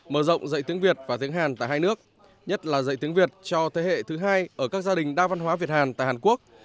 mở rộng dạy tiếng việt và tiếng hàn tại hai nước nhất là dạy tiếng việt cho thế hệ thứ hai ở các gia đình đa văn hóa việt hàn tại hàn quốc